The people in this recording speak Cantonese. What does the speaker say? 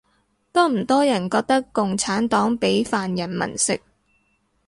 多唔多人覺得共產黨畀飯人民食